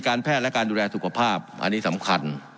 แพทย์และการดูแลสุขภาพอันนี้สำคัญ